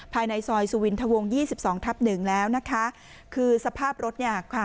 ภายในซอยสุวินทวงยี่สิบสองทับหนึ่งแล้วนะคะคือสภาพรถเนี่ยค่ะ